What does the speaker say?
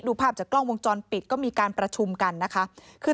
ภาพจากกล้องวงจรปิดก็มีการประชุมกันนะคะคือ